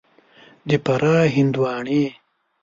د فراه هندوانې